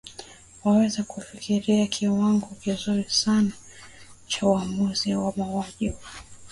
wanaweza kufikia kiwango kizuri sana cha uamuzi wa mauaji hayo